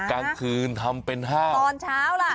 กลางคืนทำเป็นห้างตอนเช้าล่ะ